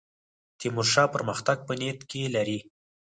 تیمورشاه پرمختګ په نیت کې لري.